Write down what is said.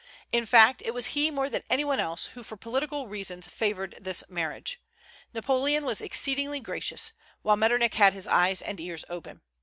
In fact, it was he more than any one else who for political reasons favored this marriage. Napoleon was exceedingly gracious, while Metternich had his eyes and ears open.